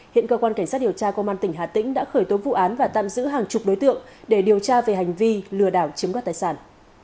hiện cơ quan cảnh sát điều tra công an tỉnh hà tĩnh đã khởi tố vụ án và tạm giữ hàng chục đối tượng để điều tra về hành vi lừa đảo chiếm đoạt tài sản